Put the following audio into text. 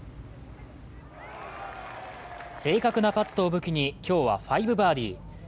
正確なパットを武器に今日は５バーディー。